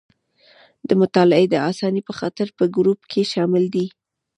د مطالعې د اسانۍ په خاطر په ګروپ کې شامل دي.